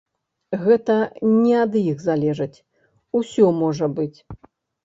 Гэта не ад іх залежыць, усё можа быць.